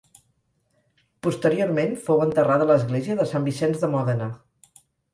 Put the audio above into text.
Posteriorment fou enterrada a l'Església de Sant Vicenç de Mòdena.